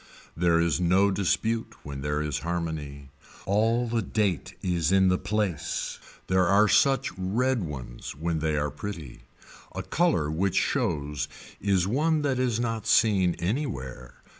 There is no dispute when there is harmony. All the date is in the place. There are such red ones when they are pretty. A color which shows is one that is not seen anywhere.